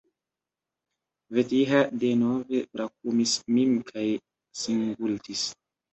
Vetiha denove brakumis min kaj singultis.